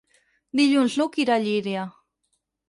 Dilluns n'Hug irà a Llíria.